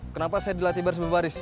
kenapa saya dilatih baris baris